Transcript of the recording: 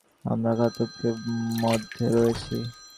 আমরা আতঙ্কের মধ্যে রয়েছি।